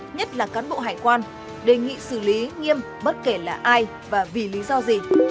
nhất là cán bộ hải quan đề nghị xử lý nghiêm bất kể là ai và vì lý do gì